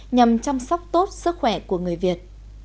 nhằm chăm sóc tốt sức khỏe của người việt